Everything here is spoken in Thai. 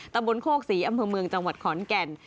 ตำบลโคกศรีอำเภอเมืองจังหวัดขอนแก่น